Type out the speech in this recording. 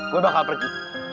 gue bakal pergi